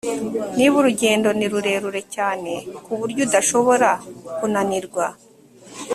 niba urugendo ni rurerure cyane ku buryo udashobora kujnanirwa